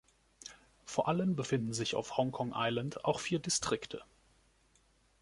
Vor allen befinden sich auf Hong Kong Island auch vier Distrikte.